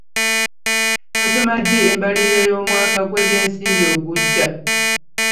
Basoma ddi embalirira y'omwaka gw'ebyensimbi ogujja?